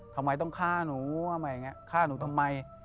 ทำไมต้องฆ่าหนูฆ่าหนูทำไม